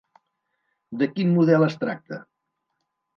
De quin model es tracta?